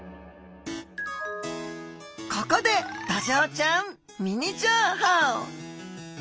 ここでドジョウちゃんミニ情報！